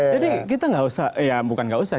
jadi kita gak usah ya bukan gak usah